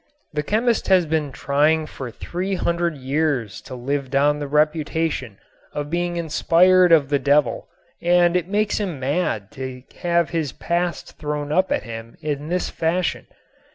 The chemist has been trying for three hundred years to live down the reputation of being inspired of the devil and it makes him mad to have his past thrown up at him in this fashion.